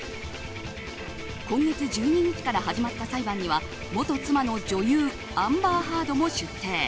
今月１２日から始まった裁判には元妻の女優アンバー・ハードも出廷。